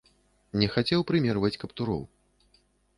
Не хацеў прымерваць каптуроў.